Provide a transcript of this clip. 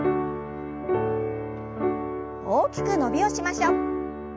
大きく伸びをしましょう。